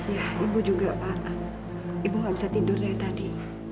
ya ibu juga pak ibu nggak bisa tidur dari tadi